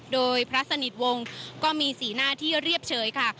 โดยพระสนิทวงศ์ก็มีสีหน้าที่เรียบเฉยค่ะ